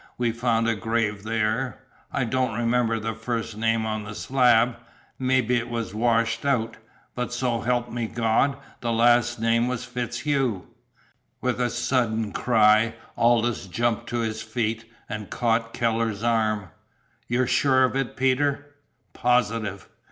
We found a grave there. I don't remember the first name on the slab. Mebby it was washed out. But, so 'elp me God, the last name was FitzHugh!" With a sudden cry, Aldous jumped to his feet and caught Keller's arm. "You're sure of it, Peter?" "Positive!"